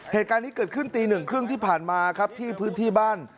เหตุการณ์นี้เกิดขึ้นตีหนึ่งครึ่งที่ผ่านมาครับที่พื้นที่บ้าน